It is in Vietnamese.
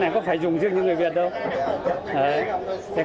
cái này có phải dùng riêng như người việt đâu